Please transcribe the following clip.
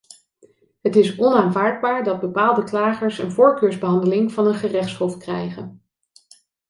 Het is onaanvaardbaar dat bepaalde klagers een voorkeursbehandeling van een gerechtshof krijgen.